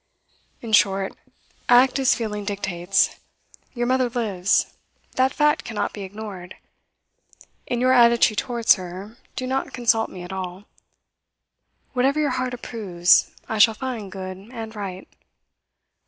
'In short, act as feeling dictates. Your mother lives; that fact cannot be ignored. In your attitude towards her, do not consult me at all; whatever your heart approves, I shall find good and right.